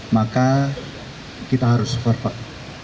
maka kita harus super pak